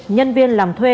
nhân viên làm thuê